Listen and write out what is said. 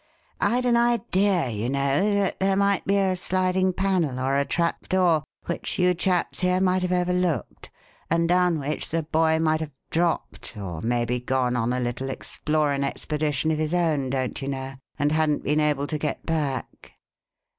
I'd an idea, you know, that there might be a sliding panel or a trapdoor which you chaps here might have overlooked, and down which the boy might have dropped, or maybe gone on a little explorin' expedition of his own, don't you know, and hadn't been able to get back."